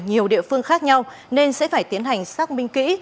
nhiều địa phương khác nhau nên sẽ phải tiến hành xác minh kỹ